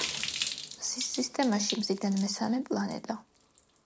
მზის სისტემაში მზიდან მესამე პლანეტა.